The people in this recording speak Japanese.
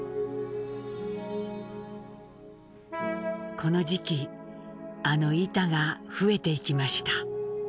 この時期あの「板」が増えていきました。